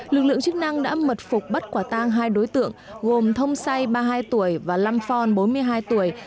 lực lượng chức năng đã mật phục bắt quả tang hai đối tượng gồm thông say ba mươi hai tuổi và lam phon bốn mươi hai tuổi